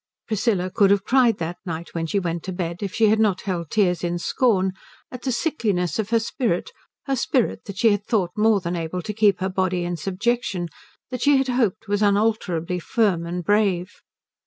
Priscilla could have cried that night when she went to bed, if she had not held tears in scorn, at the sickliness of her spirit, her spirit that she had thought more than able to keep her body in subjection, that she had hoped was unalterably firm and brave.